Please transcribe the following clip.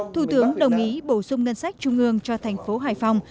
thủ tướng đồng ý bổ sung ngân sách trung ương cho thành phố hải phòng